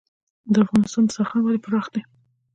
د افغانانو دسترخان ولې پراخ وي؟